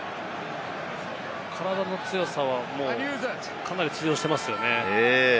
体の強さはもうかなり通用してますよね。